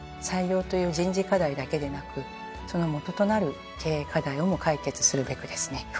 採用という人事課題だけでなくそのもととなる経営課題をも解決するべくですね